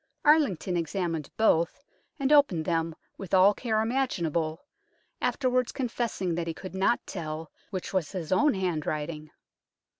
Arlington examined both and opened them with all care imaginable, afterwards confessing that he could not tell which was his own handwriting.